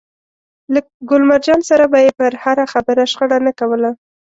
له ګل مرجان سره به يې پر هره خبره شخړه نه کوله.